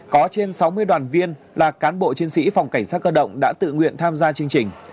có trên sáu mươi đoàn viên là cán bộ chiến sĩ phòng cảnh sát cơ động đã tự nguyện tham gia chương trình